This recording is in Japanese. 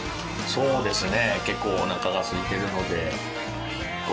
そうですね。